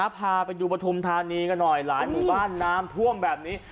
พาไปดูปฐุมธานีกันหน่อยหลายหมู่บ้านน้ำท่วมแบบนี้